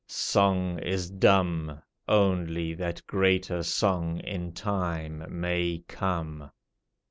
Song is dumb Only that greater song in time may come.